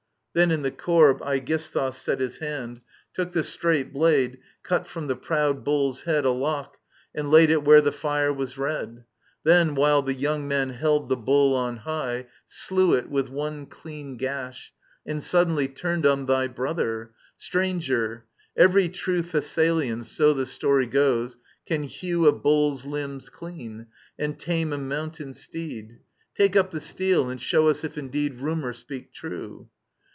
Then in the corb Aegisthus set his hand. Took the straight blade, cut from the proud bulPs head A lock, and laid it where the ^re was red ; Digitized by VjOOQIC 54 EURIPIDES Then, while the young men held the bull on high, Slew it with one clean gash ; and suddenly Turned on thy brother :Stranger, every true Thessalian, so the story goes, can hew A bull's limbs clean, and tame a mountain steed. Take up the steel, and show us if indeed Rumour speak true.